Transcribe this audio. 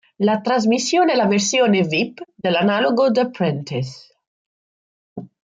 La trasmissione è la versione vip dell'analogo "The Apprentice".